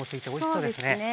そうですねはい。